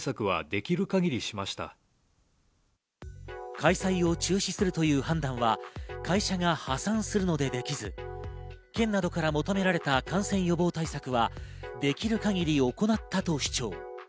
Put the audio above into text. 開催を中止するという判断は会社が破産するのでできず、県などから求められた感染予防対策はできる限り行ったと主張。